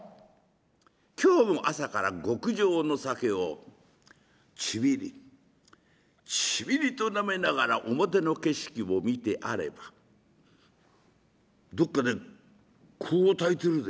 今日も朝から極上の酒をチビリチビリとなめながら表の景色を見てあれば「どっかで香を焚いてるぜ。